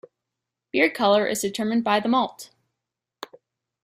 Beer colour is determined by the malt.